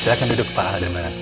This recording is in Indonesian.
silahkan duduk pak ada barang